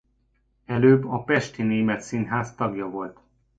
Előbb a pesti német színház tagja volt.